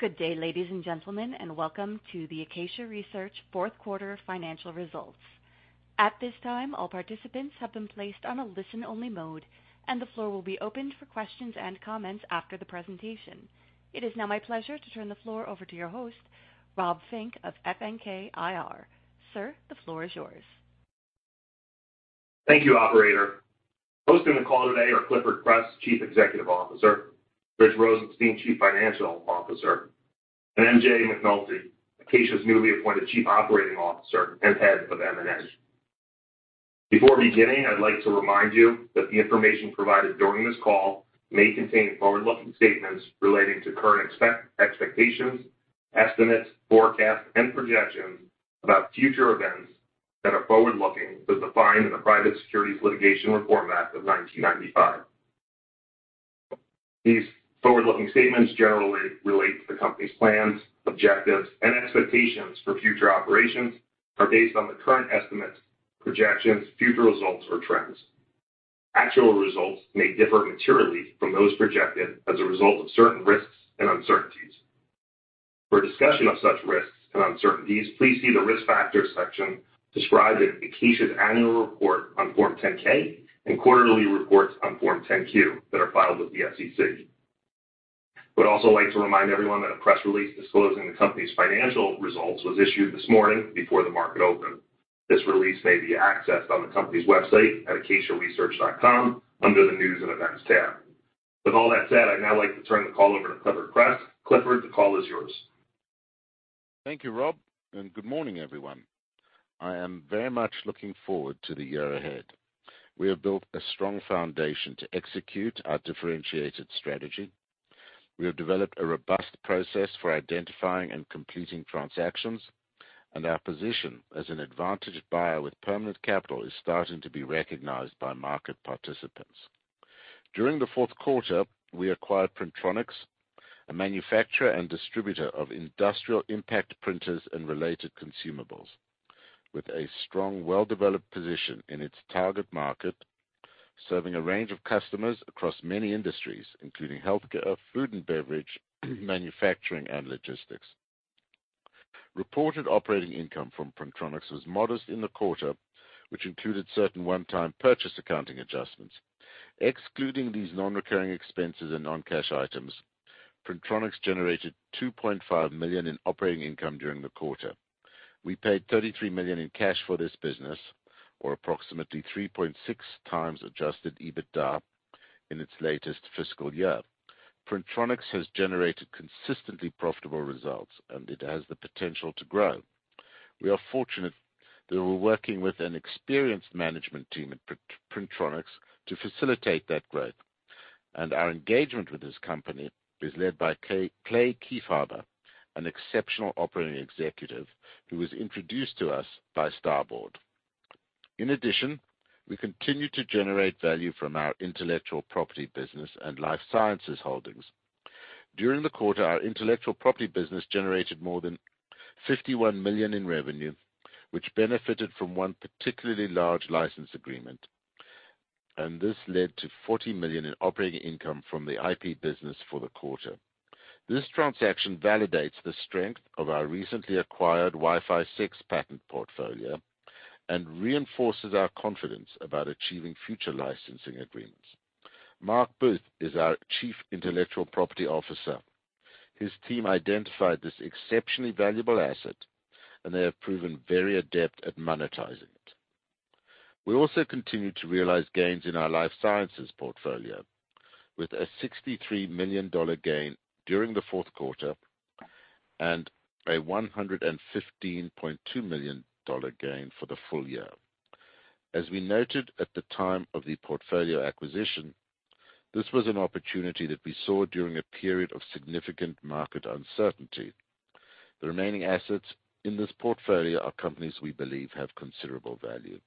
Good day, ladies and gentlemen, and welcome to the Acacia Research Fourth Quarter financial results. At this time, all participants have been placed on a listen-only mode, and the floor will be opened for questions and comments after the presentation. It is now my pleasure to turn the floor over to your host, Rob Fink of FNK IR. Sir, the floor is yours. Thank you, operator. Hosting the call today are Clifford Press, Chief Executive Officer, Rich Rosenstein, Chief Financial Officer, and MJ McNulty, Acacia's newly appointed Chief Operating Officer and Head of M&A. Before beginning, I'd like to remind you that the information provided during this call may contain forward-looking statements relating to current expectations, estimates, forecasts, and projections about future events that are forward-looking as defined in the Private Securities Litigation Reform Act of 1995. These forward-looking statements generally relate to the company's plans, objectives and expectations for future operations are based on the current estimates, projections, future results or trends. Actual results may differ materially from those projected as a result of certain risks and uncertainties. For a discussion of such risks and uncertainties, please see the Risk Factors section described in Acacia's annual report on Form 10-K and quarterly reports on Form 10-Q that are filed with the SEC. I would also like to remind everyone that a press release disclosing the company's financial results was issued this morning before the market opened. This release may be accessed on the company's website at acaciaresearch.com under the News and Events tab. With all that said, I'd now like to turn the call over to Clifford Press. Clifford, the call is yours. Thank you, Rob, and good morning, everyone. I am very much looking forward to the year ahead. We have built a strong foundation to execute our differentiated strategy. We have developed a robust process for identifying and completing transactions, and our position as an advantaged buyer with permanent capital is starting to be recognized by market participants. During the fourth quarter, we acquired Printronix, a manufacturer and distributor of industrial impact printers and related consumables, with a strong, well-developed position in its target market, serving a range of customers across many industries, including healthcare, food and beverage, manufacturing, and logistics. Reported operating income from Printronix was modest in the quarter, which included certain one-time purchase accounting adjustments. Excluding these non-recurring expenses and non-cash items, Printronix generated $2.5 million in operating income during the quarter. We paid $33 million in cash for this business, or approximately 3.6x Adjusted EBITDA in its latest fiscal year. Printronix has generated consistently profitable results, and it has the potential to grow. We are fortunate that we're working with an experienced management team at Printronix to facilitate that growth, and our engagement with this company is led by Clay Kiefaber, an exceptional operating executive who was introduced to us by Starboard. In addition, we continue to generate value from our intellectual property business and life sciences holdings. During the quarter, our intellectual property business generated more than $51 million in revenue, which benefited from one particularly large license agreement, and this led to $40 million in operating income from the IP business for the quarter. This transaction validates the strength of our recently acquired Wi-Fi 6 patent portfolio and reinforces our confidence about achieving future licensing agreements. Marc Booth is our Chief Intellectual Property Officer. His team identified this exceptionally valuable asset, and they have proven very adept at monetizing it. We also continue to realize gains in our life sciences portfolio with a $63 million gain during the fourth quarter and a $115.2 million gain for the full year. As we noted at the time of the portfolio acquisition, this was an opportunity that we saw during a period of significant market uncertainty. The remaining assets in this portfolio are companies we believe have considerable value.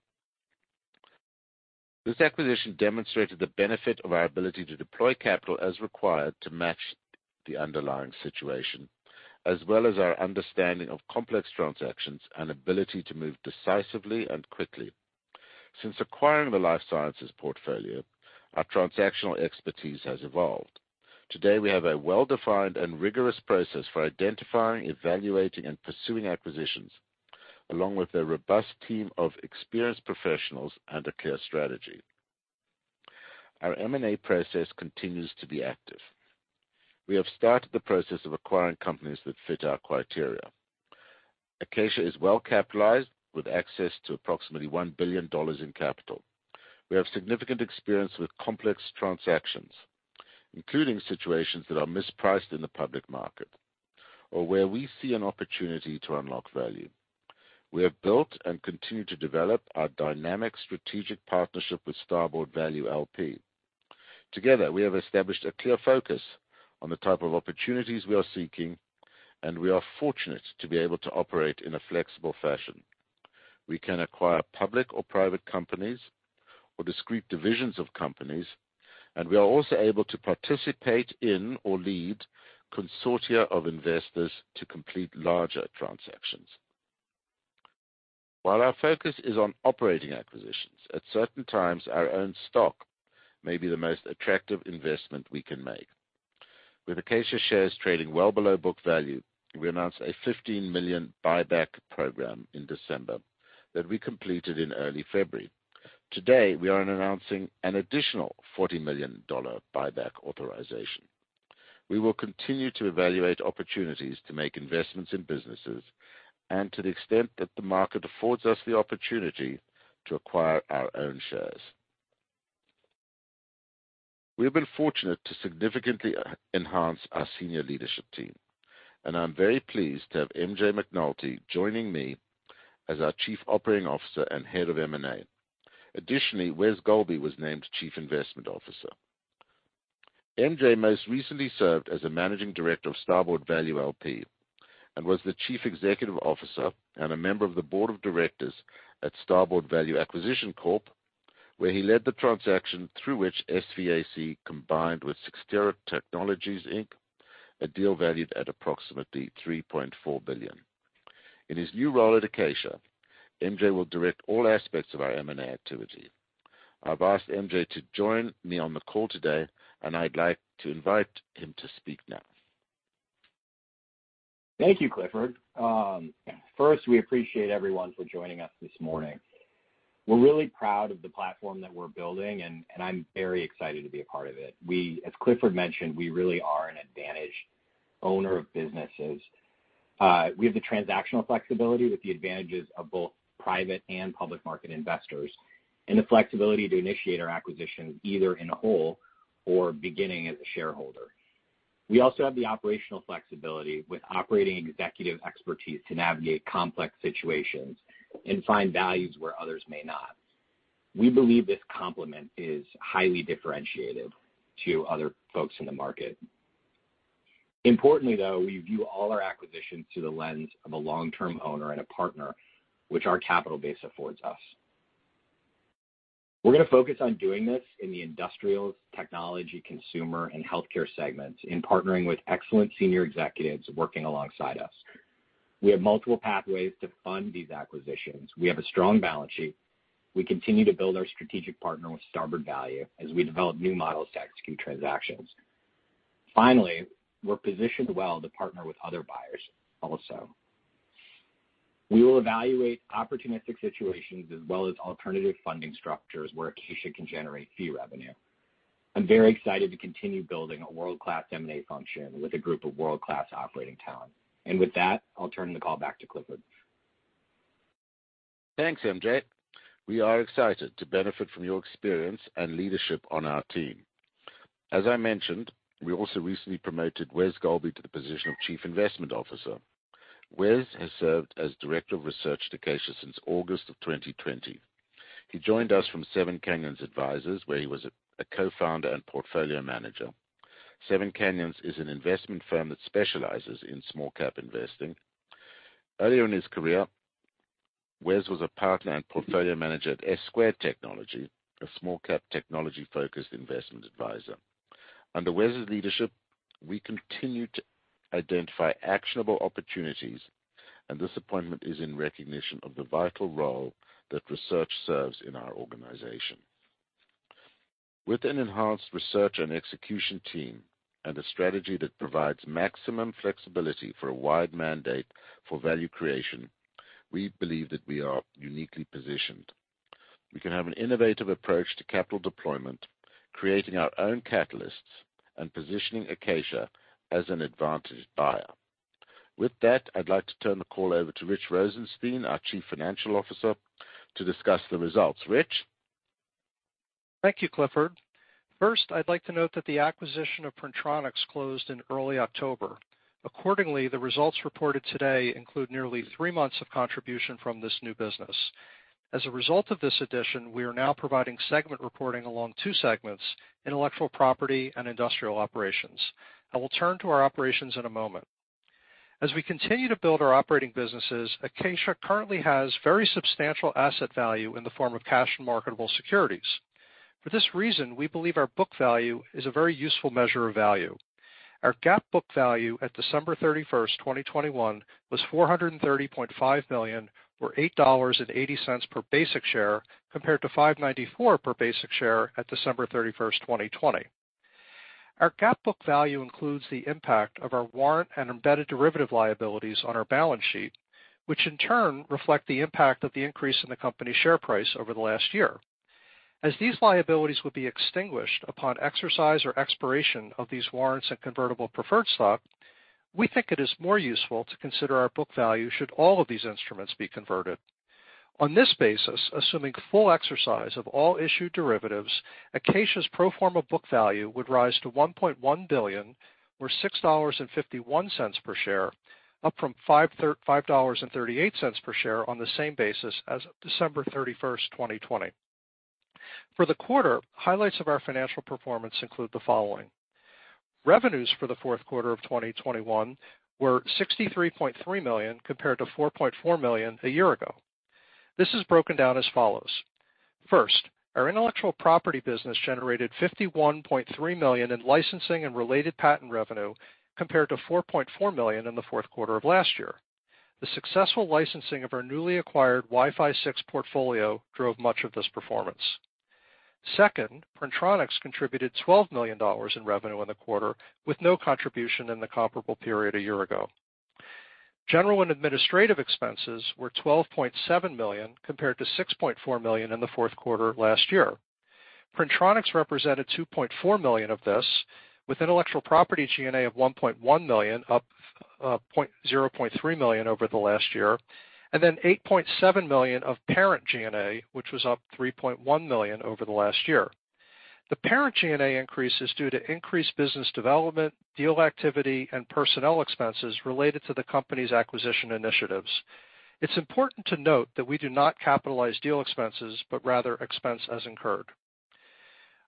This acquisition demonstrated the benefit of our ability to deploy capital as required to match the underlying situation, as well as our understanding of complex transactions and ability to move decisively and quickly. Since acquiring the life sciences portfolio, our transactional expertise has evolved. Today, we have a well-defined and rigorous process for identifying, evaluating, and pursuing acquisitions, along with a robust team of experienced professionals and a clear strategy. Our M&A process continues to be active. We have started the process of acquiring companies that fit our criteria. Acacia is well-capitalized with access to approximately $1 billion in capital. We have significant experience with complex transactions, including situations that are mispriced in the public market or where we see an opportunity to unlock value. We have built and continue to develop our dynamic strategic partnership with Starboard Value LP. Together, we have established a clear focus on the type of opportunities we are seeking, and we are fortunate to be able to operate in a flexible fashion. We can acquire public or private companies or discrete divisions of companies, and we are also able to participate in or lead consortia of investors to complete larger transactions. While our focus is on operating acquisitions, at certain times our own stock may be the most attractive investment we can make. With Acacia shares trading well below book value, we announced a $15 million buyback program in December that we completed in early February. Today, we are announcing an additional $40 million buyback authorization. We will continue to evaluate opportunities to make investments in businesses and to the extent that the market affords us the opportunity to acquire our own shares. We have been fortunate to significantly enhance our senior leadership team, and I'm very pleased to have MJ McNulty joining me as our Chief Operating Officer and Head of M&A. Additionally, Wes Golby was named Chief Investment Officer. MJ most recently served as a Managing Director of Starboard Value LP and was the Chief Executive Officer and a member of the Board of Directors at Starboard Value Acquisition Corp, where he led the transaction through which SVAC combined with Cyxtera Technologies, Inc., a deal valued at approximately $3.4 billion. In his new role at Acacia, MJ will direct all aspects of our M&A activity. I've asked MJ to join me on the call today, and I'd like to invite him to speak now. Thank you, Clifford. First, we appreciate everyone for joining us this morning. We're really proud of the platform that we're building, and I'm very excited to be a part of it. As Clifford mentioned, we really are an advantaged owner of businesses. We have the transactional flexibility with the advantages of both private and public market investors, and the flexibility to initiate our acquisitions either in whole or beginning as a shareholder. We also have the operational flexibility with operating executive expertise to navigate complex situations and find values where others may not. We believe this complement is highly differentiated to other folks in the market. Importantly, though, we view all our acquisitions through the lens of a long-term owner and a partner which our capital base affords us. We're gonna focus on doing this in the industrials, technology, consumer, and healthcare segments in partnering with excellent senior executives working alongside us. We have multiple pathways to fund these acquisitions. We have a strong balance sheet. We continue to build our strategic partner with Starboard Value as we develop new models to execute transactions. Finally, we're positioned well to partner with other buyers also. We will evaluate opportunistic situations as well as alternative funding structures where Acacia can generate fee revenue. I'm very excited to continue building a world-class M&A function with a group of world-class operating talent. With that, I'll turn the call back to Clifford. Thanks, MJ. We are excited to benefit from your experience and leadership on our team. As I mentioned, we also recently promoted Wes Golby to the position of Chief Investment Officer. Wes has served as Director of Research at Acacia since August of 2020. He joined us from Seven Canyons Advisors, where he was a co-founder and portfolio manager. Seven Canyons is an investment firm that specializes in small cap investing. Earlier in his career, Wes was a partner and portfolio manager at S-Squared Technology, a small cap technology-focused investment advisor. Under Wes's leadership, we continue to identify actionable opportunities, and this appointment is in recognition of the vital role that research serves in our organization. With an enhanced research and execution team and a strategy that provides maximum flexibility for a wide mandate for value creation, we believe that we are uniquely positioned. We can have an innovative approach to capital deployment, creating our own catalysts and positioning Acacia as an advantaged buyer. With that, I'd like to turn the call over to Rich Rosenstein, our Chief Financial Officer, to discuss the results. Rich? Thank you, Clifford. First, I'd like to note that the acquisition of Printronix closed in early October. Accordingly, the results reported today include nearly three months of contribution from this new business. As a result of this addition, we are now providing segment reporting along two segments: Intellectual Property and Industrial Operations. I will turn to our operations in a moment. As we continue to build our operating businesses, Acacia currently has very substantial asset value in the form of cash and marketable securities. For this reason, we believe our book value is a very useful measure of value. Our GAAP book value at December 31, 2021 was $430.5 million, or $8.80 per basic share, compared to $5.94 per basic share at December 31, 2020. Our GAAP book value includes the impact of our warrant and embedded derivative liabilities on our balance sheet, which in turn reflect the impact of the increase in the company's share price over the last year. As these liabilities would be extinguished upon exercise or expiration of these warrants and convertible preferred stock, we think it is more useful to consider our book value should all of these instruments be converted. On this basis, assuming full exercise of all issued derivatives, Acacia's pro forma book value would rise to $1.1 billion or $6.51 per share, up from $5.38 per share on the same basis as of December 31, 2020. For the quarter, highlights of our financial performance include the following. Revenues for the fourth quarter of 2021 were $63.3 million compared to $4.4 million a year ago. This is broken down as follows. First, our intellectual property business generated $51.3 million in licensing and related patent revenue compared to $4.4 million in the fourth quarter of last year. The successful licensing of our newly acquired Wi-Fi 6 portfolio drove much of this performance. Second, Printronix contributed $12 million in revenue in the quarter, with no contribution in the comparable period a year ago. General and administrative expenses were $12.7 million, compared to $6.4 million in the fourth quarter last year. Printronix represented $2.4 million of this, with intellectual property G&A of $1.1 million, up $0.3 million over the last year, and then $8.7 million of parent G&A, which was up $3.1 million over the last year. The parent G&A increase is due to increased business development, deal activity, and personnel expenses related to the company's acquisition initiatives. It's important to note that we do not capitalize deal expenses, but rather expense as incurred.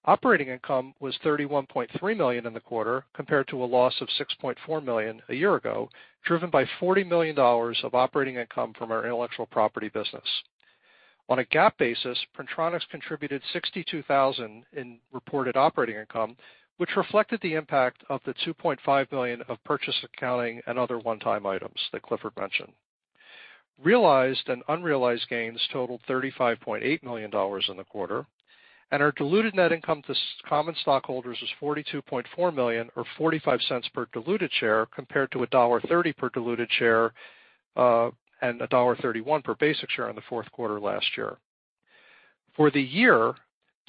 Operating income was $31.3 million in the quarter, compared to a loss of $6.4 million a year ago, driven by $40 million of operating income from our intellectual property business. On a GAAP basis, Printronix contributed $62,000 in reported operating income, which reflected the impact of the $2.5 million of purchase accounting and other one-time items that Clifford mentioned. Realized and unrealized gains totaled $35.8 million in the quarter, and our diluted net income to Class A common stockholders was $42.4 million or $0.45 per diluted share compared to $1.30 per diluted share and $1.31 per basic share in the fourth quarter last year. For the year,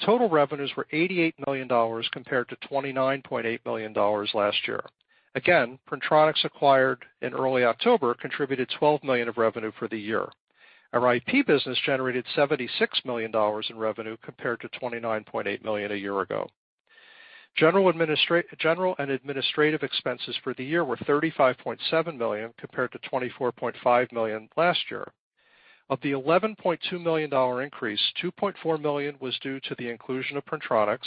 total revenues were $88 million compared to $29.8 million last year. Again, Printronix, acquired in early October, contributed $12 million of revenue for the year. Our IP business generated $76 million in revenue compared to $29.8 million a year ago. General and administrative expenses for the year were $35.7 million, compared to $24.5 million last year. Of the $11.2 million increase, $2.4 million was due to the inclusion of Printronix,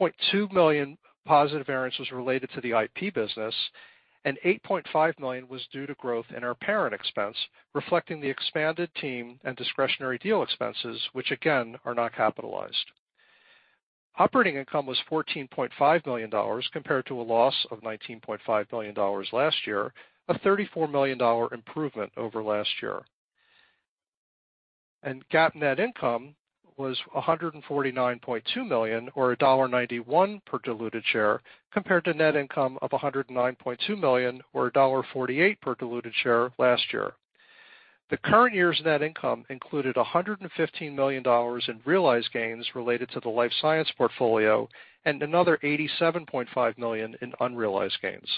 $0.2 million positive variance was related to the IP business, and $8.5 million was due to growth in our patent expense, reflecting the expanded team and discretionary deal expenses, which again, are not capitalized. Operating income was $14.5 million compared to a loss of $19.5 million last year, a $34 million improvement over last year. GAAP net income was $149.2 million or $1.91 per diluted share compared to net income of $109.2 million or $1.48 per diluted share last year. The current year's net income included $115 million in realized gains related to the life science portfolio and another $87.5 million in unrealized gains.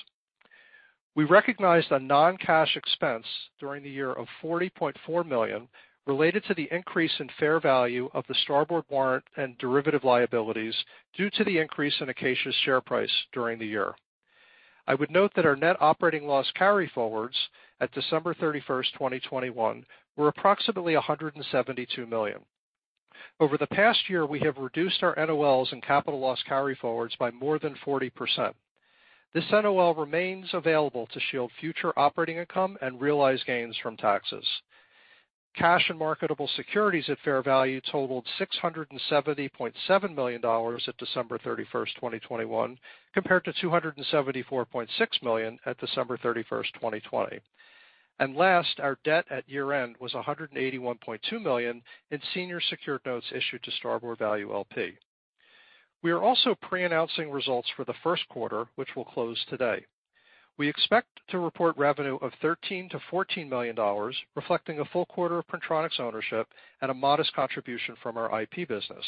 We recognized a non-cash expense during the year of $40.4 million related to the increase in fair value of the Starboard warrant and derivative liabilities due to the increase in Acacia's share price during the year. I would note that our net operating loss carryforwards at December 31, 2021 were approximately $172 million. Over the past year, we have reduced our NOLs and capital loss carryforwards by more than 40%. This NOL remains available to shield future operating income and realize gains from taxes. Cash and marketable securities at fair value totaled $670.7 million at December 31, 2021, compared to $274.6 million at December 31, 2020. Last, our debt at year-end was $181.2 million in senior secured notes issued to Starboard Value LP. We are also pre-announcing results for the first quarter, which we'll close today. We expect to report revenue of $13 million-$14 million, reflecting a full quarter of Printronix ownership and a modest contribution from our IP business.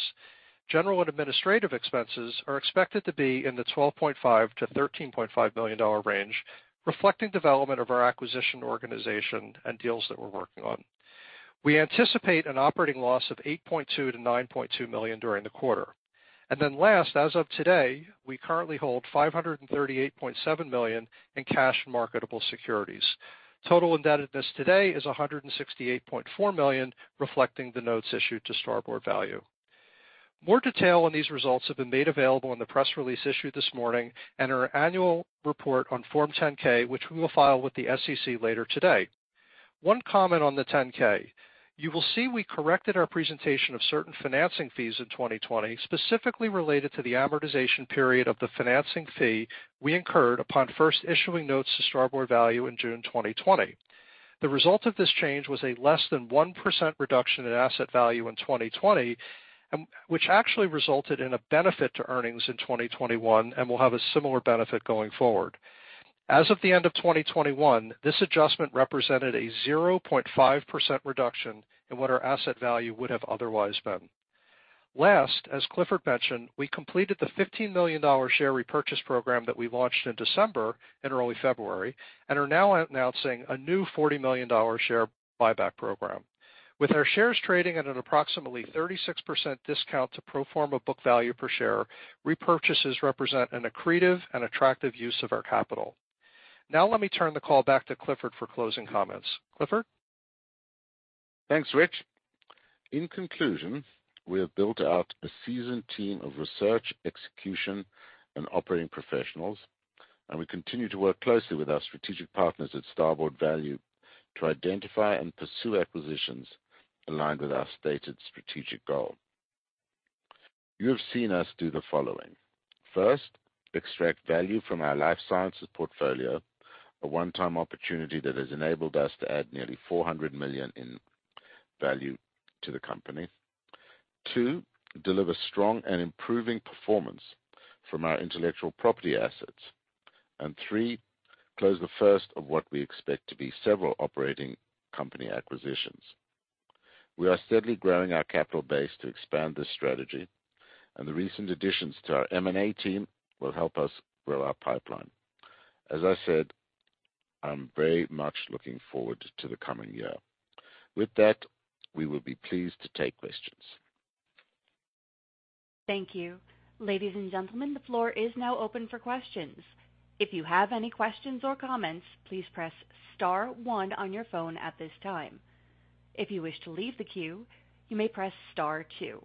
General and administrative expenses are expected to be in the $12.5 million-$13.5 million range, reflecting development of our acquisition organization and deals that we're working on. We anticipate an operating loss of $8.2 million-$9.2 million during the quarter. Last, as of today, we currently hold $538.7 million in cash and marketable securities. Total indebtedness today is $168.4 million, reflecting the notes issued to Starboard Value. More detail on these results have been made available in the press release issued this morning and our annual report on Form 10-K, which we will file with the SEC later today. One comment on the 10-K. You will see we corrected our presentation of certain financing fees in 2020, specifically related to the amortization period of the financing fee we incurred upon first issuing notes to Starboard Value in June 2020. The result of this change was a less than 1% reduction in asset value in 2020, which actually resulted in a benefit to earnings in 2021 and will have a similar benefit going forward. As of the end of 2021, this adjustment represented a 0.5% reduction in what our asset value would have otherwise been. Last, as Clifford mentioned, we completed the $15 million share repurchase program that we launched in December and early February and are now announcing a new $40 million share buyback program. With our shares trading at an approximately 36% discount to pro forma book value per share, repurchases represent an accretive and attractive use of our capital. Now let me turn the call back to Clifford for closing comments. Clifford? Thanks, Rich. In conclusion, we have built out a seasoned team of research, execution, and operating professionals. We continue to work closely with our strategic partners at Starboard Value to identify and pursue acquisitions aligned with our stated strategic goal. You have seen us do the following. First, extract value from our life sciences portfolio, a one-time opportunity that has enabled us to add nearly $400 million in value to the company. Two, deliver strong and improving performance from our intellectual property assets. And three, close the first of what we expect to be several operating company acquisitions. We are steadily growing our capital base to expand this strategy, and the recent additions to our M&A team will help us grow our pipeline. As I said, I'm very much looking forward to the coming year. With that, we will be pleased to take questions. Thank you. Ladies and gentlemen, the floor is now open for questions. If you have any questions or comments, please press star one on your phone at this time. If you wish to leave the queue, you may press star two.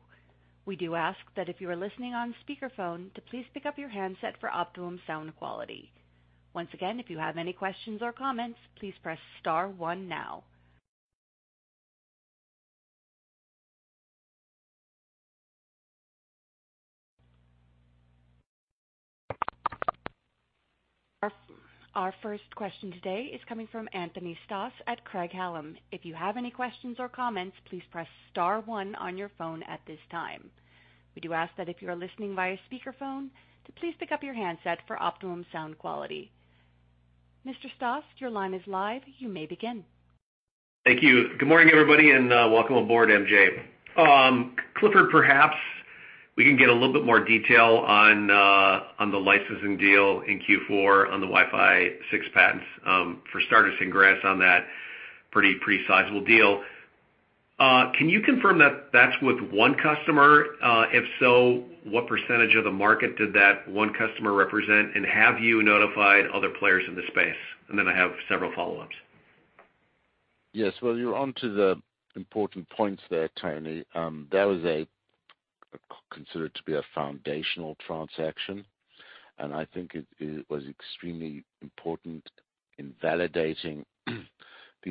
We do ask that if you are listening on speakerphone to please pick up your handset for optimum sound quality. Once again, if you have any questions or comments, please press star one now. Our first question today is coming from Anthony Stoss at Craig-Hallum. If you have any questions or comments, please press star one on your phone at this time. We do ask that if you are listening via speakerphone to please pick up your handset for optimum sound quality. Mr. Stoss, your line is live. You may begin. Thank you. Good morning, everybody, and welcome aboard, MJ. Clifford, perhaps we can get a little bit more detail on the licensing deal in Q4 on the Wi-Fi 6 patents. For starters, congrats on that pretty sizable deal. Can you confirm that that's with one customer? If so, what percentage of the market did that one customer represent? I have several follow-ups. Yes. Well, you're on to the important points there, Tony. That was considered to be a foundational transaction, and I think it was extremely important in validating the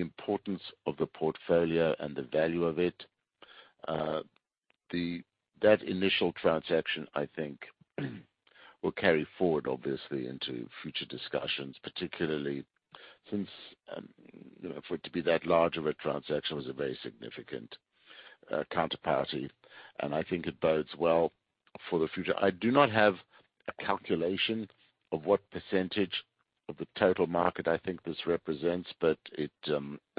importance of the portfolio and the value of it. That initial transaction, I think will carry forward obviously into future discussions, particularly since, you know, for it to be that large of a transaction was a very significant counterparty. And I think it bodes well for the future. I do not have a calculation of what percentage of the total market I think this represents, but it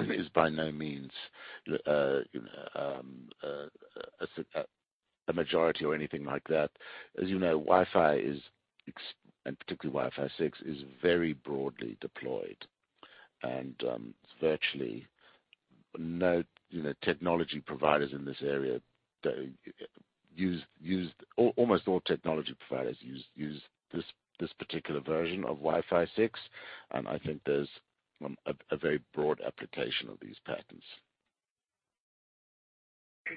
is by no means a majority or anything like that. As you know, Wi-Fi, and particularly Wi-Fi 6, is very broadly deployed. Almost all technology providers use this particular version of Wi-Fi 6. I think there's a very broad application of these patents.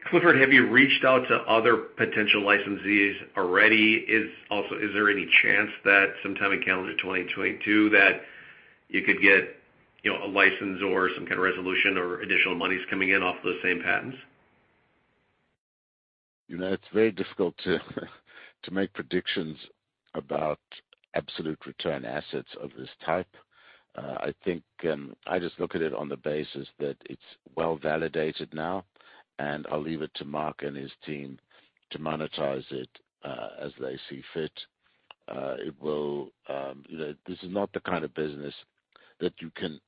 Clifford, have you reached out to other potential licensees already? Also, is there any chance that sometime in calendar 2022 that you could get, you know, a license or some kind of resolution or additional monies coming in off those same patents? You know, it's very difficult to make predictions about absolute return assets of this type. I think I just look at it on the basis that it's well-validated now, and I'll leave it to Marc and his team to monetize it as they see fit. It will. You know, this is not the kind of business that you can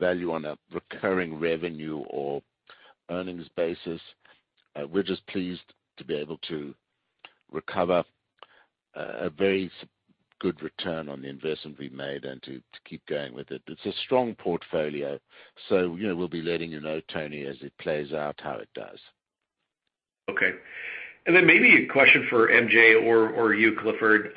value on a recurring revenue or earnings basis. We're just pleased to be able to recover a very good return on the investment we made and to keep going with it. It's a strong portfolio. You know, we'll be letting you know, Anthony, as it plays out how it does. Okay. Maybe a question for MJ or you, Clifford.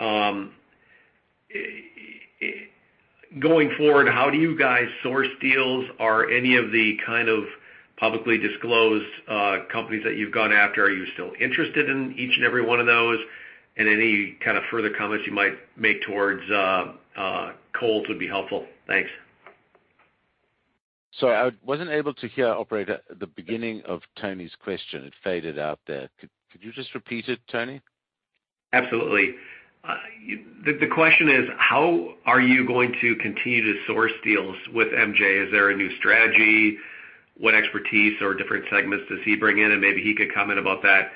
Going forward, how do you guys source deals? Are any of the kind of publicly disclosed companies that you've gone after, are you still interested in each and every one of those? Any kind of further comments you might make towards Kohl's would be helpful. Thanks. Sorry, I wasn't able to hear, operator, the beginning of Tony's question. It faded out there. Could you just repeat it, Tony? Absolutely. The question is, how are you going to continue to source deals with MJ? Is there a new strategy? What expertise or different segments does he bring in? Maybe he could comment about that.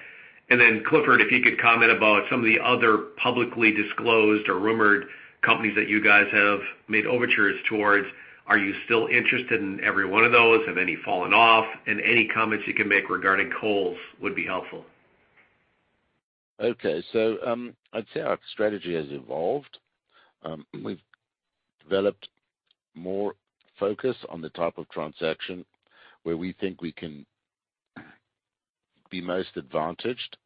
Then Clifford, if you could comment about some of the other publicly disclosed or rumored companies that you guys have made overtures towards. Are you still interested in every one of those? Have any fallen off? Any comments you can make regarding Kohl's would be helpful. Okay. I'd say our strategy has evolved. We've developed more focus on the type of transaction where we think we can be most advantaged.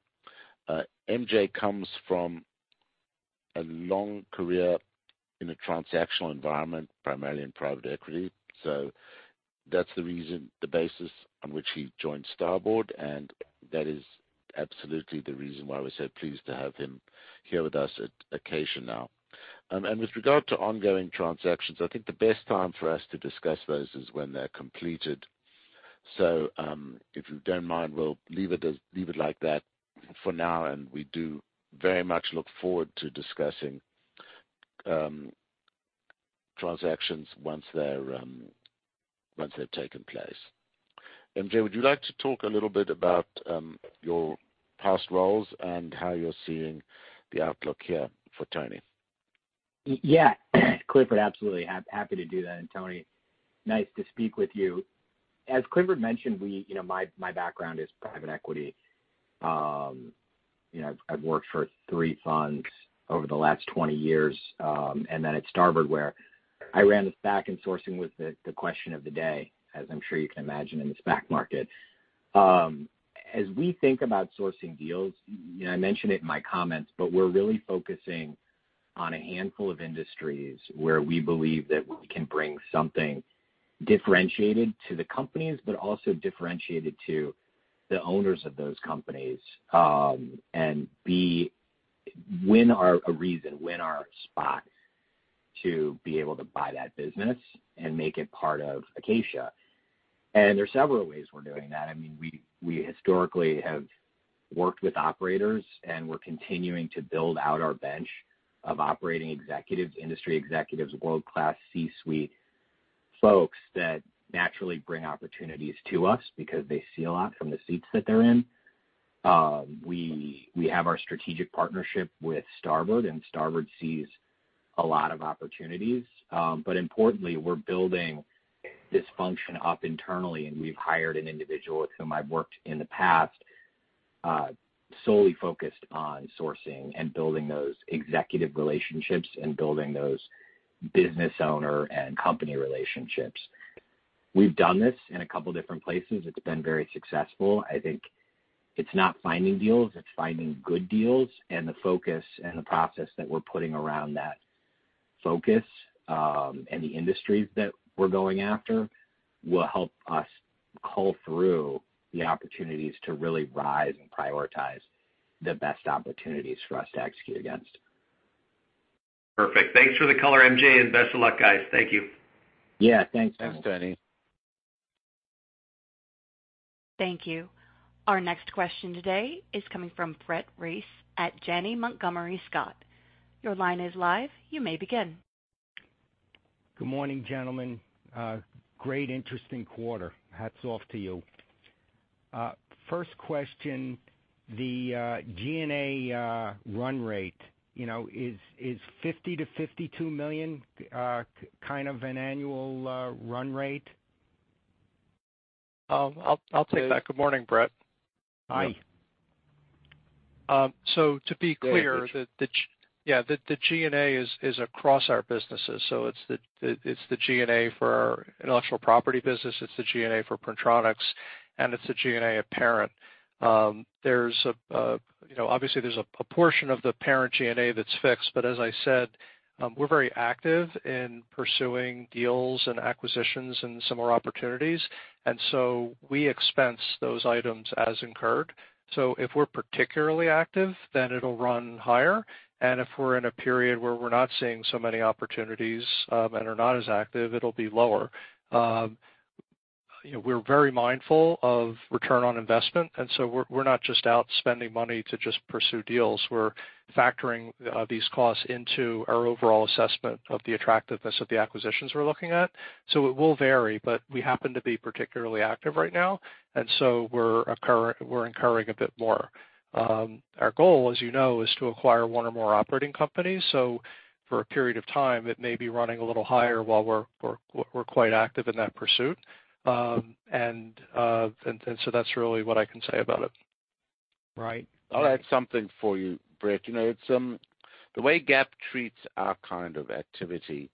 MJ comes from a long career in a transactional environment, primarily in private equity. That's the reason, the basis on which he joined Starboard, and that is absolutely the reason why we're so pleased to have him here with us at Acacia now. With regard to ongoing transactions, I think the best time for us to discuss those is when they're completed. If you don't mind, we'll leave it like that for now, and we do very much look forward to discussing transactions once they've taken place. MJ, would you like to talk a little bit about your past roles and how you're seeing the outlook here for Tony? Yeah. Clifford, absolutely. Happy to do that. Tony, nice to speak with you. As Clifford mentioned, you know, my background is private equity. You know, I've worked for three funds over the last 20 years. At Starboard, where I ran the SPAC and sourcing was the question of the day, as I'm sure you can imagine in the SPAC market. As we think about sourcing deals, you know, I mentioned it in my comments, but we're really focusing on a handful of industries where we believe that we can bring something differentiated to the companies, but also differentiated to the owners of those companies, and win our way in, win our spot to be able to buy that business and make it part of Acacia. There's several ways we're doing that. I mean, we historically have worked with operators, and we're continuing to build out our bench of operating executives, industry executives, world-class C-suite folks that naturally bring opportunities to us because they see a lot from the seats that they're in. We have our strategic partnership with Starboard, and Starboard sees a lot of opportunities. Importantly, we're building this function up internally, and we've hired an individual with whom I've worked in the past, solely focused on sourcing and building those executive relationships and building those business owner and company relationships. We've done this in a couple different places. It's been very successful. I think it's not finding deals, it's finding good deals. The focus and the process that we're putting around that focus, and the industries that we're going after will help us cull through the opportunities to really rise and prioritize the best opportunities for us to execute against. Perfect. Thanks for the color, MJ, and best of luck, guys. Thank you. Yeah, thanks. Thanks, Tony. Thank you. Our next question today is coming from Brett Reiss at Janney Montgomery Scott. Your line is live. You may begin. Good morning, gentlemen. Great interesting quarter. Hats off to you. First question, the G&A run rate. You know, is $50 million-$52 million kind of an annual run rate? I'll take that. Good morning, Brett. Hi. To be clear. Yeah. Yeah, the G&A is across our businesses, so it's the G&A for our intellectual property business, it's the G&A for Printronix, and it's the G&A of parent. You know, obviously there's a proportion of the parent G&A that's fixed, but as I said, we're very active in pursuing deals and acquisitions and similar opportunities. We expense those items as incurred. If we're particularly active, then it'll run higher. If we're in a period where we're not seeing so many opportunities and are not as active, it'll be lower. You know, we're very mindful of return on investment, and we're not just out spending money to just pursue deals. We're factoring these costs into our overall assessment of the attractiveness of the acquisitions we're looking at. It will vary, but we happen to be particularly active right now, and so we're incurring a bit more. Our goal, as you know, is to acquire one or more operating companies. For a period of time, it may be running a little higher while we're quite active in that pursuit. That's really what I can say about it. Right. I'll add something for you, Brett. You know, it's the way GAAP treats our kind of activity,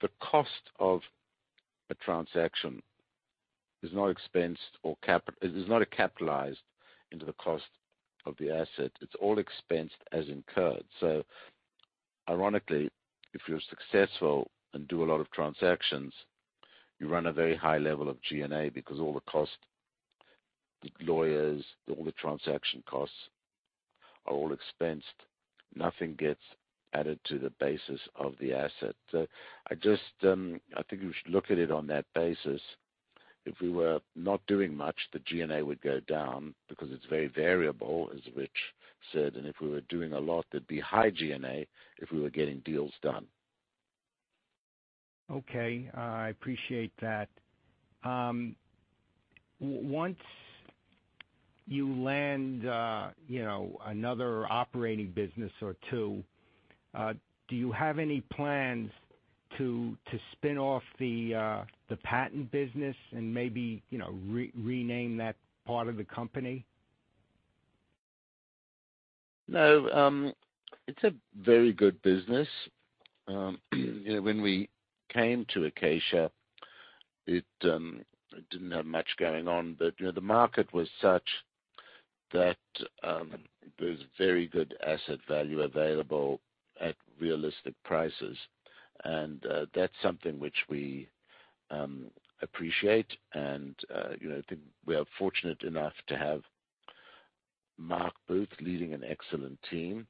the cost of a transaction is not expensed or capitalized into the cost of the asset. It's all expensed as incurred. Ironically, if you're successful and do a lot of transactions, you run a very high level of G&A because all the cost, the lawyers, all the transaction costs are all expensed. Nothing gets added to the basis of the asset. I just think we should look at it on that basis. If we were not doing much, the G&A would go down because it's very variable, as Rich said. If we were doing a lot, there'd be high G&A if we were getting deals done. Okay. I appreciate that. Once you land, you know, another operating business or two, do you have any plans to spin off the patent business and maybe, you know, rename that part of the company? No. It's a very good business. You know, when we came to Acacia, it didn't have much going on. You know, the market was such that there's very good asset value available at realistic prices. That's something which we appreciate. You know, I think we are fortunate enough to have Marc Booth leading an excellent team.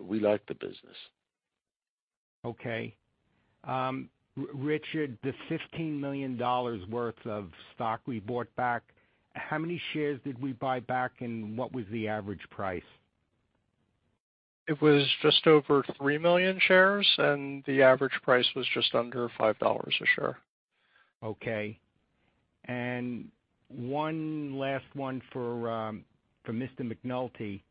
We like the business. Rich, the $15 million worth of stock we bought back, how many shares did we buy back and what was the average price? It was just over 3 million shares, and the average price was just under $5 a share. Okay. One last one for Mr. McNulty.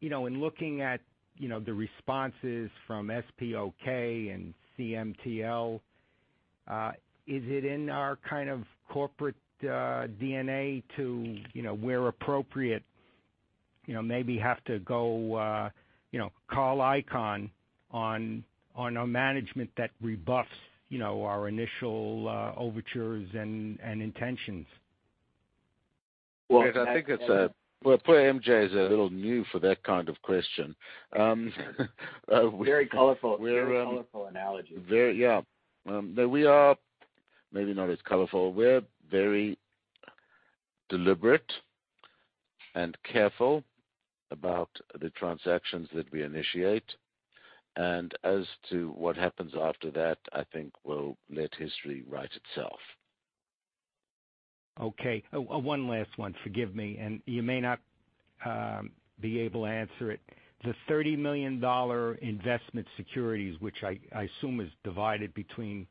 You know, in looking at, you know, the responses from SPOK and CMTL, is it in our kind of corporate DNA to, you know, where appropriate, you know, maybe have to go, you know, Carl Icahn on a management that rebuffs, you know, our initial overtures and intentions? Well, poor MJ is a little new for that kind of question. Very colorful. Very colorful analogy. Very, yeah. We are maybe not as colorful. We're very deliberate and careful about the transactions that we initiate. As to what happens after that, I think we'll let history write itself. Okay. Oh, one last one. Forgive me, and you may not be able to answer it. The $30 million investment securities, which I assume is divided between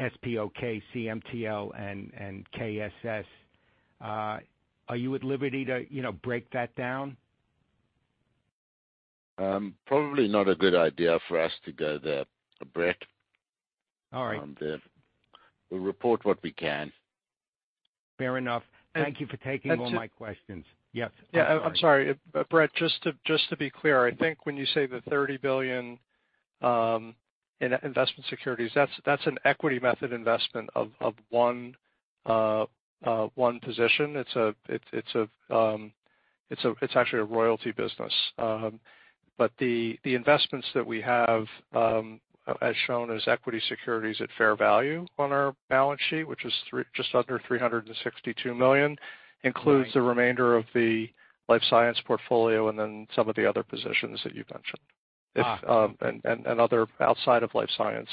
SPOK, CMTL, and KSS, are you at liberty to, you know, break that down? Probably not a good idea for us to go there, Brett. All right. We'll report what we can. Fair enough. Thank you for taking all my questions. That's it. Yes. I'm sorry. Yeah. I'm sorry. Brett, just to be clear, I think when you say the $30 billion investment securities, that's an equity method investment of one position. It's actually a royalty business. But the investments that we have, as shown as equity securities at fair value on our balance sheet, which is just under $362 million, includes the remainder of the life science portfolio and then some of the other positions that you've mentioned. Ah. other outside of life science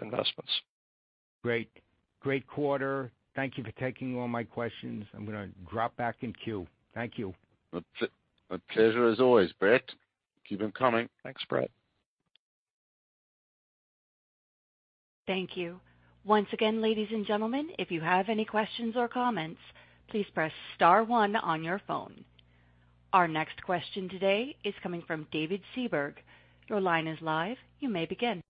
investments. Great. Great quarter. Thank you for taking all my questions. I'm gonna drop back in queue. Thank you. A pleasure as always, Brett. Keep them coming. Thanks, Brett. Thank you. Once again, ladies and gentlemen, if you have any questions or comments, please press star one on your phone. Our next question today is coming from David Seaberg. Your line is live. You may begin.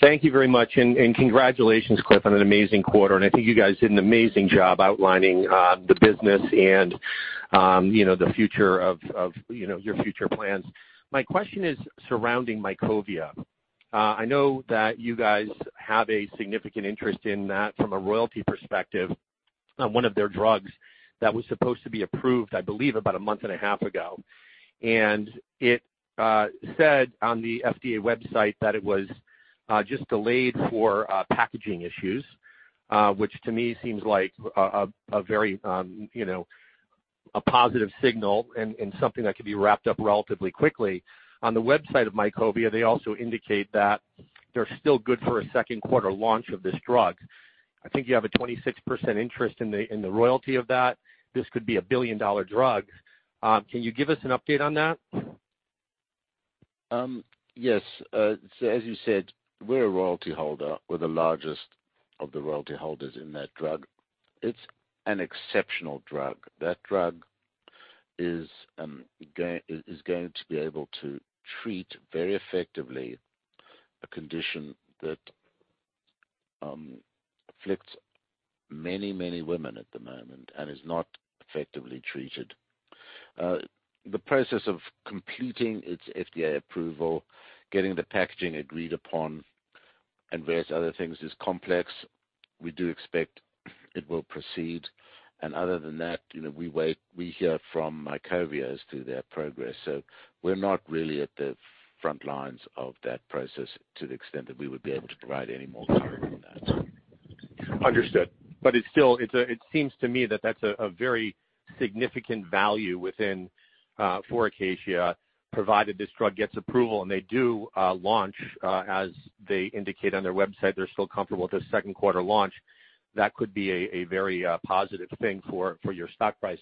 Thank you very much. Congratulations, Cliff, on an amazing quarter. I think you guys did an amazing job outlining the business and you know the future of you know your future plans. My question is surrounding Mycovia. I know that you guys have a significant interest in that from a royalty perspective on one of their drugs that was supposed to be approved, I believe, about a month and a half ago. It said on the FDA website that it was just delayed for packaging issues, which to me seems like a very you know a positive signal and something that could be wrapped up relatively quickly. On the website of Mycovia, they also indicate that they're still good for a second quarter launch of this drug. I think you have a 26% interest in the royalty of that. This could be a billion-dollar drug. Can you give us an update on that? Yes. As you said, we're a royalty holder. We're the largest of the royalty holders in that drug. It's an exceptional drug. That drug is going to be able to treat very effectively a condition that afflicts many women at the moment and is not effectively treated. The process of completing its FDA approval, getting the packaging agreed upon, and various other things is complex. We do expect it will proceed. Other than that, you know, we wait, we hear from Mycovia as to their progress. We're not really at the front lines of that process to the extent that we would be able to provide any more clarity on that. Understood. It's still. It seems to me that that's a very significant value within for Acacia, provided this drug gets approval, and they do launch. As they indicate on their website, they're still comfortable with the second quarter launch. That could be a very positive thing for your stock price.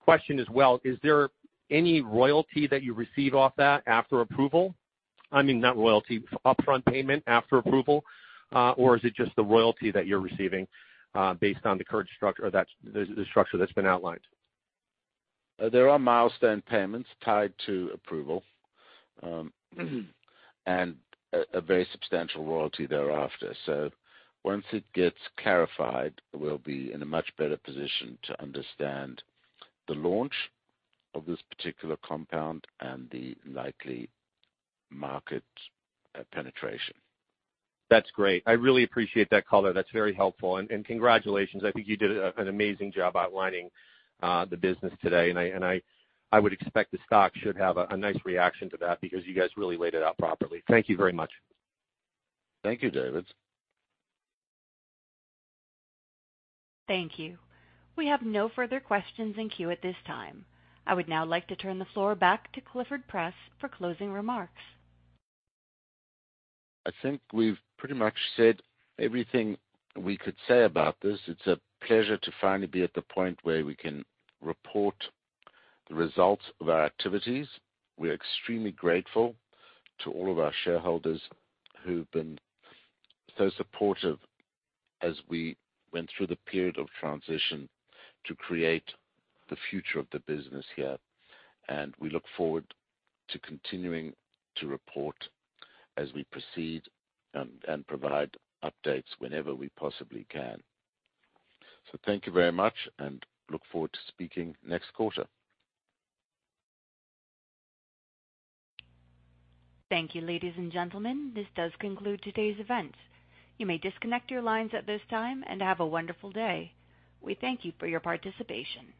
Question as well. Is there any royalty that you receive off that after approval? I mean, not royalty. Upfront payment after approval, or is it just the royalty that you're receiving, based on the current structure or that's the structure that's been outlined? There are milestone payments tied to approval, and a very substantial royalty thereafter. Once it gets clarified, we'll be in a much better position to understand the launch of this particular compound and the likely market penetration. That's great. I really appreciate that color. That's very helpful. Congratulations. I think you did an amazing job outlining the business today. I would expect the stock should have a nice reaction to that because you guys really laid it out properly. Thank you very much. Thank you, David. Thank you. We have no further questions in queue at this time. I would now like to turn the floor back to Clifford Press for closing remarks. I think we've pretty much said everything we could say about this. It's a pleasure to finally be at the point where we can report the results of our activities. We're extremely grateful to all of our shareholders who've been so supportive as we went through the period of transition to create the future of the business here. We look forward to continuing to report as we proceed and provide updates whenever we possibly can. Thank you very much, and look forward to speaking next quarter. Thank you, ladies and gentlemen. This does conclude today's event. You may disconnect your lines at this time, and have a wonderful day. We thank you for your participation.